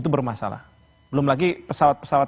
itu bermasalah belum lagi pesawat pesawat